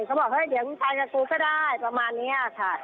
เขาบอกเฮ้ยเดี๋ยวมึงไปกับกูก็ได้ประมาณนี้ค่ะ